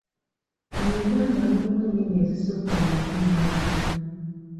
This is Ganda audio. Mu Uganda mulimu ennimi ezisukka mu makumi ana.